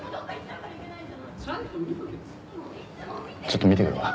ちょっと見てくるわ。